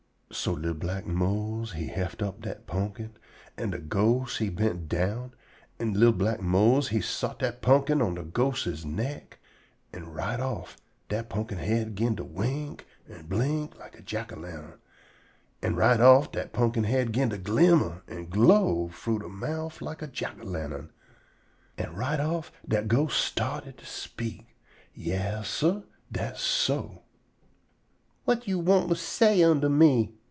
So li'l black Mose he heft up dat pumpkin, an' de ghost he bent down, an' li'l black Mose he sot dat pumpkin on dat ghostses neck. An' right off dat pumpkin head 'gin to wink an' blink like a jack o' lantern, an' right off dat pumpkin head 'gin to glimmer an' glow frough de mouf like a jack o' lantern, an' right off dat ghost start to speak. Yas, sah, dass so. "Whut yo' want to say unto me?"